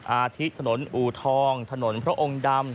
อาทิตย์ถนนอูทองถนนพระองค์ดำ